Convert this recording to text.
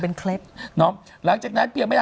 เป็นล่ะหลังจากนั้นเพียงไม่รัก